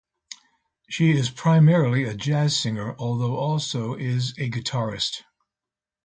She is primarily a jazz singer, though also is a guitarist.